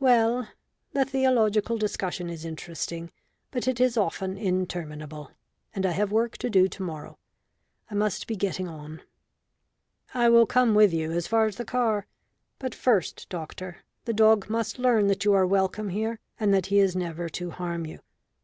Well, the theological discussion is interesting but it is often interminable; and I have work to do to morrow. I must be getting on." "I will come with you as far as the car. But first, doctor, the dog must learn that you are welcome here and that he is never to harm you.